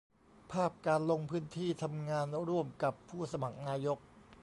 ภาพการลงพื้นที่ทำงานร่วมกับผู้สมัครนายก